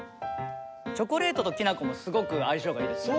チョコレートときなこもすごく相性がいいですね。